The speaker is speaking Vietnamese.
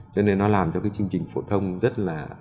cho nên nó làm cho cái chương trình phổ thông rất là